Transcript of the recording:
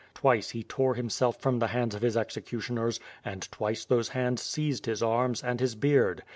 Twice he tore himself from the hands of his execu tioners, and twice those hands seized his arms, and his beard.